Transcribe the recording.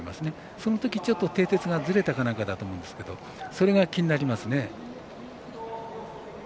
そのとき、てい鉄がずれたかなんかだと思うんですけどそれが気になりますね。